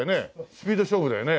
スピード勝負だよね。